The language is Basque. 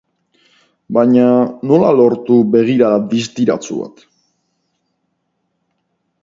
Baina nola lortu begirada distiratsu bat?